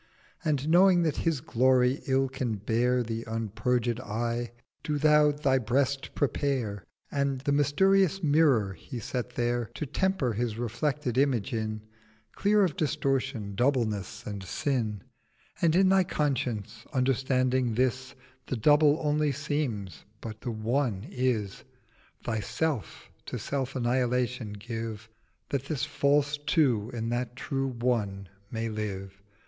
And, knowing that His glory ill can bear The unpurged Eye; do thou Thy Breast prepare: 610 And the mysterious Mirror He set there, To temper his reflected Image in, Clear of Distortion, Doubleness, and Sin: And in thy Conscience understanding this, The Double only seems, but The One is, Thyself to Self annihilation give That this false Two in that true One may live.